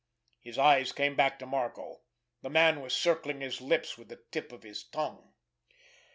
His eyes came back to Marco. The man was circling his lips with the tip of his tongue.